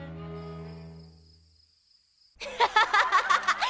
アハハハハハ！